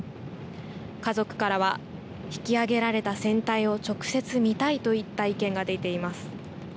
家族からは引き揚げられた船体を直接見たいといった意見が出ています。